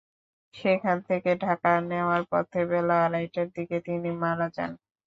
সেখান থেকে ঢাকা নেওয়ার পথে বেলা আড়াইটার দিকে তিনি মারা যান।